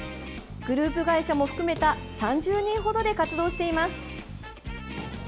グループ会社も含めた３０人ほどで活動しています。